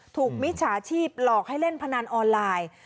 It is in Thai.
มิจฉาชีพหลอกให้เล่นพนันออนไลน์